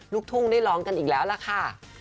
ลูกทุ่งได้ร้องกันอีกแล้วล่ะค่ะ